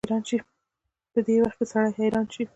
په دې وخت کې سړی حيران شي.